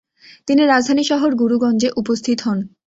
তিনি রাজধানী শহর গুরুগঞ্জে উপস্থিত হন।